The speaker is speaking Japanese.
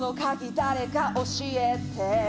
誰か教えて」